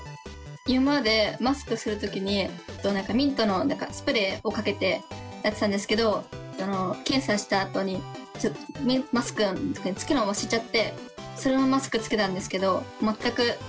今までマスクする時に何かミントのスプレーをかけてやってたんですけど検査したあとにちょっとマスクの中につけるの忘れちゃってそのままマスクつけたんですけど全く気にならなかったです。